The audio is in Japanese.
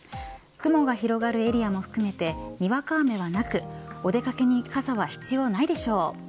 雲が広がるエリアも含めてにわか雨はなくお出掛けに傘は必要ないでしょう。